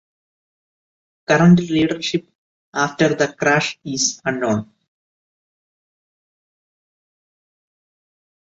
Current leadership after the crash is unknown.